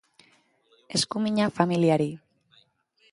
Eskuminak familiari.